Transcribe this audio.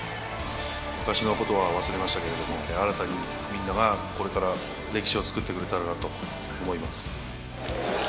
昔のことは忘れましたけれども、新たにみんながこれから歴史を作ってくれたらなと思います。